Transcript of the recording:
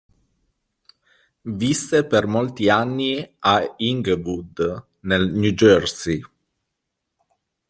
Visse per molti anni a Englewood, nel New Jersey.